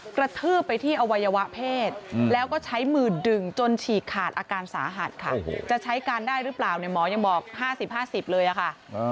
กระทืบไปที่อวัยวะเพศแล้วก็ใช้มือดึงจนฉีกขาดอาการสาหัสค่ะจะใช้การได้หรือเปล่าเนี่ยหมอยังบอก๕๐๕๐เลยอะค่ะ